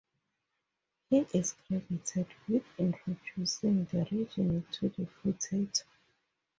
He is credited with introducing the region to the potato.